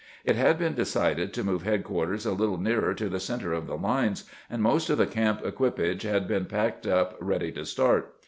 It had been decided to move head quarters a little nearer to the center of the lines, and most of the camp equipage had been packed up ready to start.